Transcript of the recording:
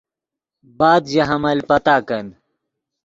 بعد ژے حمل پتاکن